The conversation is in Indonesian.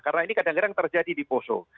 karena ini kadang kadang terjadi di poso